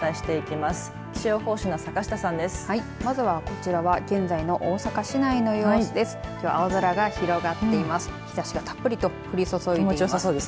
まずは、こちらは現在の大阪市内の様子です。